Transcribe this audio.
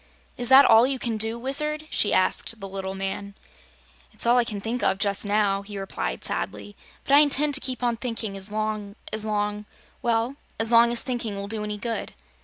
"Is that all you can do, Wizard?" she asked the little man. "It's all I can think of just now," he replied sadly. "But I intend to keep on thinking as long as long well, as long as thinking will do any good."